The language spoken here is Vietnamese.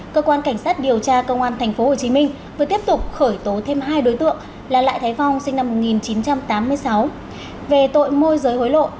cơ quan cảnh sát điều tra công an tp hcm vừa tiếp tục khởi tố thêm hai đối tượng là lại thái phong sinh năm một nghìn chín trăm tám mươi sáu về tội môi giới hối lộ